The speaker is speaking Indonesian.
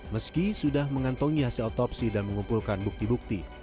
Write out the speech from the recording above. meski sudah mengantongi hasil otopsi dan mengumpulkan bukti bukti